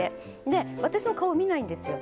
で私の顔見ないんですよ